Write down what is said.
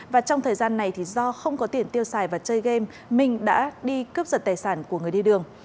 và trong thời gian này thì do không có tiền tiêu xài và chơi game minh đã đi cướp giật tài sản của người đi đường